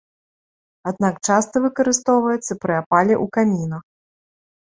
Аднак часта выкарыстоўваецца пры апале ў камінах.